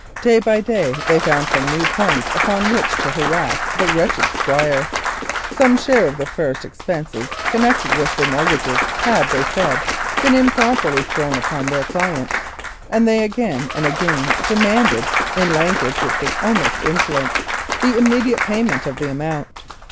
Day by day they found a new point upon which to harass the wretched Squire. Some share of the first expenses connected with the mortgages had, they said, been improperly thrown upon their client, and they again and again demanded, in language which was almost insolent, the immediate payment of the amount.